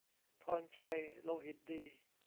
พรชัย โลหิตดี